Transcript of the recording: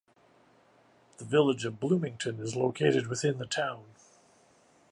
The Village of Bloomington is located within the town.